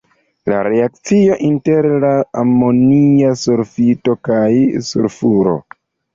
Reakcio inter la amonia sulfito kaj sulfuro.